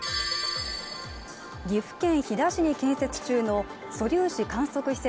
岐阜県飛騨市に建設中の素粒子観測施設